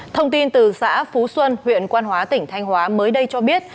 thông tin từ xã phú xuân huyện quan hóa tỉnh thanh hóa mới đây cho biết